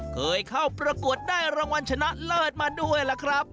เคยเข้าประกวดได้รางวัลชนะเลิศมาด้วยล่ะครับ